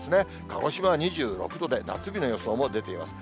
鹿児島は２６度で夏日の予想も出ています。